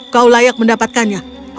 kau layak mendapatkan kekuatan